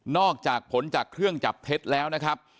จากผลจากเครื่องจับเท็จแล้วนะครับ